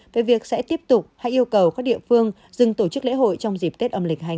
về việc sẽ tiếp tục hãy yêu cầu các địa phương dừng tổ chức lễ hội trong dịp tết âm lịch hai nghìn hai mươi bốn